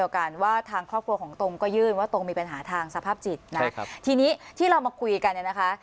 กันว่าทางครอบครัวของตรงก็ยื่นว่าตรงมีปัญหาทางสภาพจิตนะครับทีนี้ที่เรามาคุยกันเนี่ยนะคะ